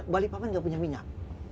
kota balikpapan nggak punya minyak